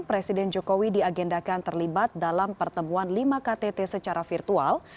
presiden jokowi diagendakan terlibat dalam pertemuan lima ktt secara virtual